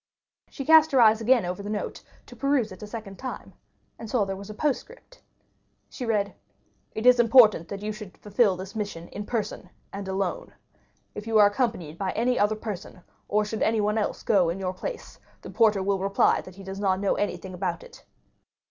She cast her eyes again over the note to peruse it a second time, and saw there was a postscript. She read: "It is important that you should fulfil this mission in person and alone. If you go accompanied by any other person, or should anyone else go in your place, the porter will reply that he does not know anything about it."